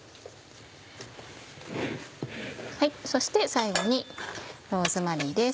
そして最後にローズマリーです。